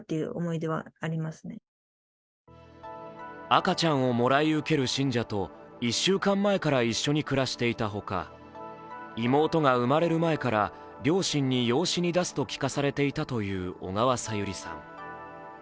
赤ちゃんをもらい受ける信者と１週間前から一緒に暮らしていたほか、妹が生まれる前から両親に養子に出すと聞かされていたという小川さゆりさん。